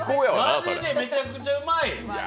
マジでめちゃくちゃうまい！